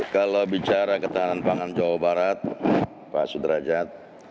kalau bicara ketahanan pangan jawa barat pak sudrajat